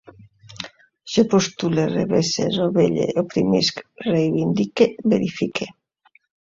Jo postule, revesse, rovelle, oprimisc, reivindique, verifique